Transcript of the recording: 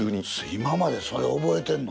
今までそれ覚えてんの？